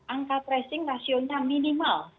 angka tracing rasionya minimal